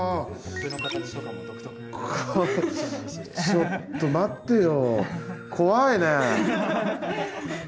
ちょっと待ってよ。